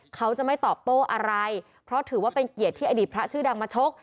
เขาจะไม่ตอบโต้อะไรเพราะถือว่าเป็นเกียรติที่อดีตพระชื่อดังมาชก